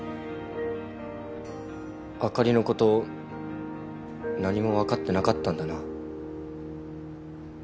あかりのこと何も分かってなかったんだな。